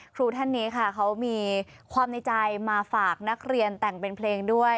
ครูท่านนี้ค่ะเขามีความในใจมาฝากนักเรียนแต่งเป็นเพลงด้วย